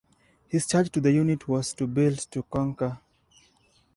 His charge to the unit was To Build - To Conquer.